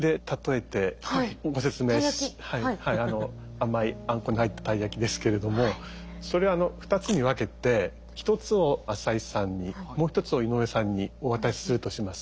甘いあんこの入ったたい焼きですけれどもそれを２つに分けて１つを浅井さんにもう１つを井上さんにお渡しするとします。